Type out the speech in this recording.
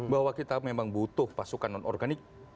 bahwa kita memang butuh pasukan non organik